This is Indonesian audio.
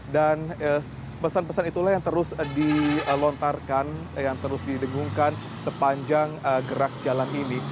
dan pesan pesan itulah yang terus dilontarkan yang terus didengungkan sepanjang gerak jalan ini